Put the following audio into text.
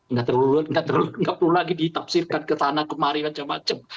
nggak perlu lagi ditafsirkan ke tanah kemari macam macam